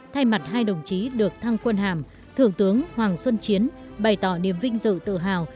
thay mặt hai đồng chí được thăng quân hàm thượng tướng hoàng xuân chiến bày tỏ niềm vinh dự tự hào